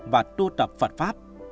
và tu tập phật pháp